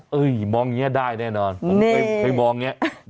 เฮ้ยมองแบบนี้ได้แน่นอน